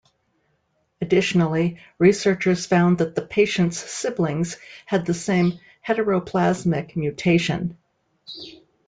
Additionally, researchers found that the patient's siblings had the same heteroplasmic mutation.